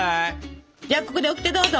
じゃあここでオキテどうぞ！